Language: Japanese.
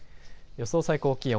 予想最高気温。